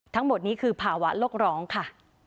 ทั้งหมดนี้คือภาวะโลกร้องค่ะ